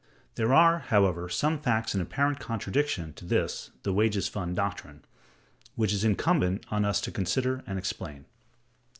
There are, however, some facts in apparent contradiction to this [the Wages Fund] doctrine, which it is incumbent on us to consider and explain.